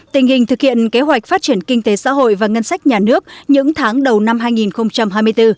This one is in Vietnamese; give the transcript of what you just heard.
tình hình thực hiện kế hoạch phát triển kinh tế xã hội và ngân sách nhà nước những tháng đầu năm hai nghìn hai mươi bốn